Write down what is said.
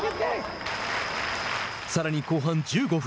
さらに後半１５分。